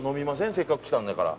せっかく来たんだから。